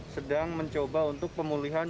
sedang mencoba untuk pemulihan